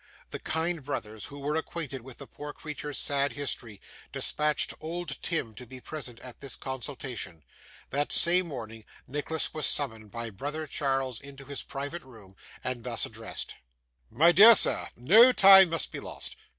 The kind brothers, who were acquainted with the poor creature's sad history, dispatched old Tim to be present at this consultation. That same morning, Nicholas was summoned by brother Charles into his private room, and thus addressed: 'My dear sir, no time must be lost.